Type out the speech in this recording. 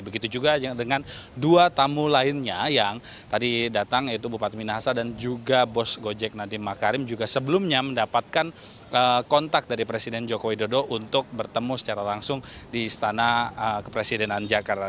begitu juga dengan dua tamu lainnya yang tadi datang yaitu bupati minahasa dan juga bos gojek nadiem makarim juga sebelumnya mendapatkan kontak dari presiden joko widodo untuk bertemu secara langsung di istana kepresidenan jakarta